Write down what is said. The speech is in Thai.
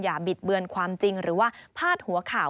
บิดเบือนความจริงหรือว่าพาดหัวข่าว